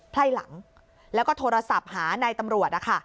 ไพ่หลังก็โทรศัพท์หานายตำรวจ